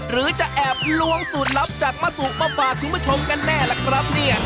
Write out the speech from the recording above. หรือจะแอบลวงสูตรลับจากมาสุปฟาธุไม่พร้อมกันแน่ล่ะครับเนี่ย